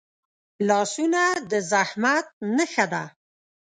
لاسونه د زحمت نښه ده